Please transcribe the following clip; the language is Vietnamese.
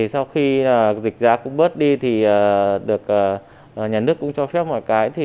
sau khi dịch dạng cũng bớt đi nhà nước cũng cho phép mọi cái